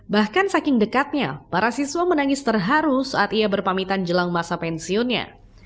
bahkan saking dekatnya para siswa menangis terharu saat ia berpamitan jelang masa pensiunnya